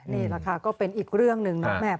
นี่แหละค่ะก็เป็นอีกเรื่องหนึ่งเนาะแม่